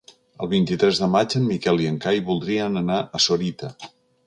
El vint-i-tres de maig en Miquel i en Cai voldrien anar a Sorita.